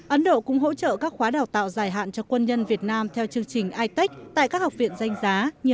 ấn độ cũng hỗ trợ các khóa đào tạo dài hạn cho quân nhân việt nam theo chương trình itec tại các học viện danh giá như